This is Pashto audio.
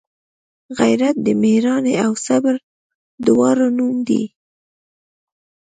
غیرت د میړانې او صبر دواړو نوم دی